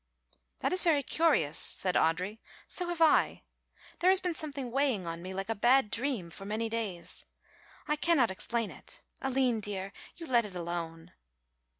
"That is very curious," said Audry, "so have I. There has been something weighing on me like a bad dream for many days. I cannot explain it. Aline, dear, you let it alone."